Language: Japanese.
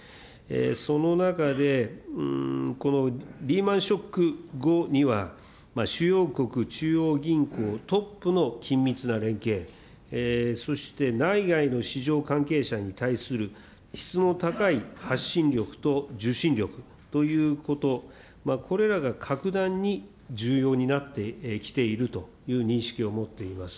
その中で、リーマンショック後には主要国中央銀行トップの緊密な連携、そして内外の市場関係者に対する質の高い発信力と受信力ということ、これらが格段に重要になってきているという認識をもっています。